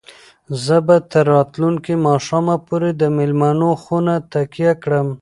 زه به تر راتلونکي ماښامه پورې د مېلمنو خونه تکیه کړم.